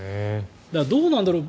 どうなんだろう。